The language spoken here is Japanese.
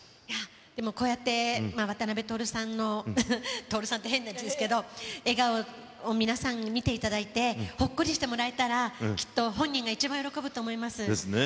でもこうやって、渡辺徹さんの、徹さんって変ですけど、笑顔を皆さんに見ていただいて、ほっこりしてもらえたら、きっと本人が一番喜ぶと思います。ですね。